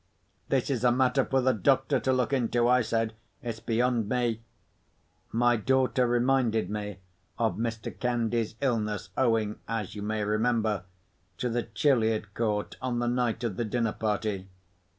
"This is a matter for the doctor to look into," I said. "It's beyond me." My daughter reminded me of Mr. Candy's illness, owing (as you may remember) to the chill he had caught on the night of the dinner party.